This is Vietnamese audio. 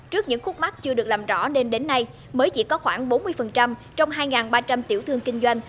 trước những khúc mắt chưa được làm rõ nên đến nay mới chỉ có khoảng bốn mươi trong hai ba trăm linh tiểu thương kinh doanh